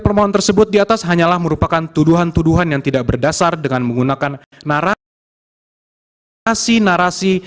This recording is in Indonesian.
permohonan tersebut di atas hanyalah merupakan tuduhan tuduhan yang tidak berdasar dengan menggunakan narasi narasi narasi